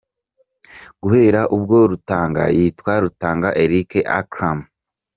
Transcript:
Guhera ubwo Rutanga yitwa Rutanga Eric Akram.